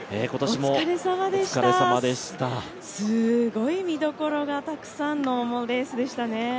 すごい見どころがたくさんのレースでしたね。